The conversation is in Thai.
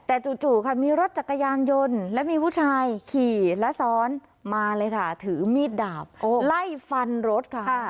แต่จู่ค่ะมีรถจักรยานยนต์และมีผู้ชายขี่และซ้อนมาเลยค่ะถือมีดดาบไล่ฟันรถค่ะ